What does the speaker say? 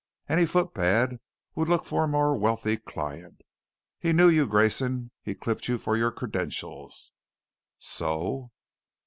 Any footpad would look for a more wealthy client. He knew you, Grayson. He clipped you for your credentials!" "So?"